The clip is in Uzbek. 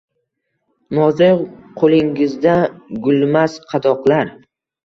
Nozik qulingizda gulmas qadoqlar